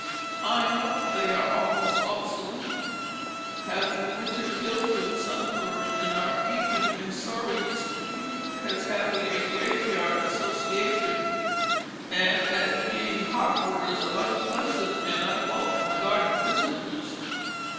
I know they are almost obsolete have been winter killed and sunburned and are even in sorry disrepute as having a graveyard association, and as being harborers of unpleasant and unwelcome garden visitors.